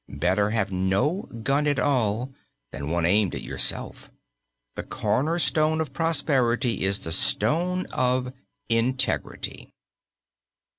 Better have no gun at all, than one aimed at yourself. The corner stone of prosperity is the stone of Integrity.